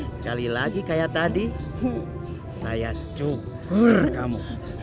sekali lagi kayak tadi saya cukur kamu